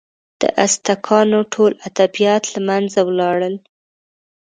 د ازتکانو ټول ادبیات له منځه ولاړل.